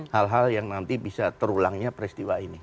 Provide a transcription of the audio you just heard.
hal hal yang nanti bisa terulangnya peristiwa ini